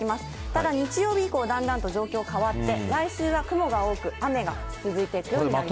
ただ、日曜日以降、だんだんと状況変わって、来週は雲が多く、雨が続く予想です。